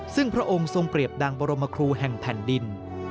ซึ่งพระองค์ทรงเปรียบดังบรมครูแห่งแผ่นดิน